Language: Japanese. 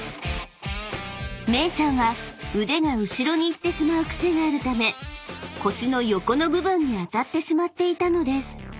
［めいちゃんは腕が後ろに行ってしまう癖があるため腰の横の部分に当たってしまっていたのです］